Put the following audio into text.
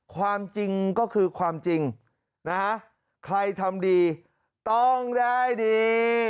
ความจริงก็คือความจริงนะฮะใครทำดีต้องได้ดี